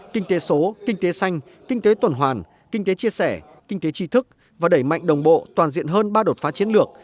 kinh tế số kinh tế xanh kinh tế tuần hoàn kinh tế chia sẻ kinh tế tri thức và đẩy mạnh đồng bộ toàn diện hơn ba đột phá chiến lược